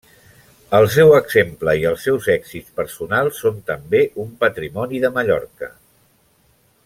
El seu exemple i els seus èxits personals són també un patrimoni de Mallorca.